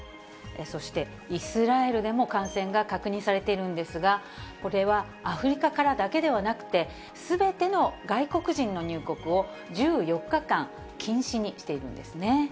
そして、イスラエルでも感染が確認されているんですが、これはアフリカからだけではなくて、すべての外国人の入国を１４日間、禁止にしているんですね。